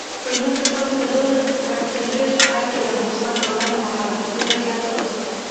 په نولس سوه څلور څلوېښت کال کې د حکومت پر وړاندې مخالفتونه زیات شول.